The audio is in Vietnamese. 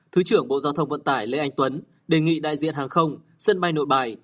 thứ trưởng bộ giao thông vận tải lê anh tuấn đề nghị đại diện hàng không sân bay nội bài